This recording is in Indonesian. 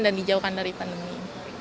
dan dijauhkan dari pandemi